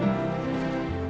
ya kita ke sekolah